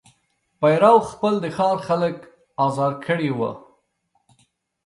پیرو خپل د ښار خلک آزار کړي وه.